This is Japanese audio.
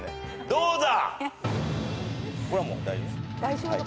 どうだ？